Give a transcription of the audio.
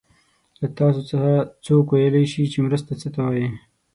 له تاسو څخه څوک ویلای شي چې مرسته څه ته وايي؟